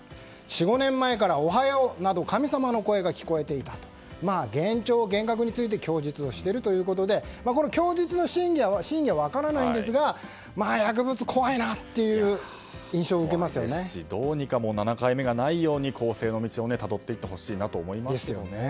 ４５年前から、おはようなど神様の声が聞こえていたと幻聴・幻覚について供述しているということでこの供述の真偽は分からないんですが薬物は怖いなというどうにか７回目がないように更生の道をたどってほしいですね。